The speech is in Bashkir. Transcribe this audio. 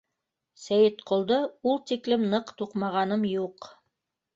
Сәйетҡолдо ул тиклем ныҡ туҡмағаным юҡ.